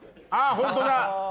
あっホントだ。